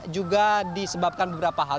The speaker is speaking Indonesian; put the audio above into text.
juga disebabkan beberapa hal